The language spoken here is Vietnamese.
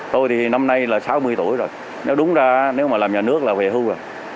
tôi thì năm nay là sáu mươi tuổi rồi nếu đúng ra nếu mà làm nhà nước là về hưu rồi